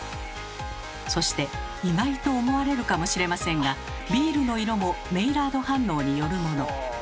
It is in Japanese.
そして意外と思われるかもしれませんがビールの色もメイラード反応によるもの。